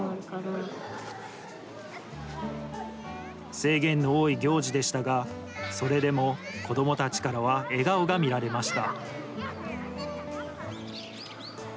制限の多い行事でしたが、それでも子どもたちからは笑顔が見られました。